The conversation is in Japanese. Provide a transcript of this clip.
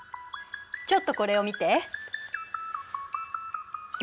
ちょっとこれを見て。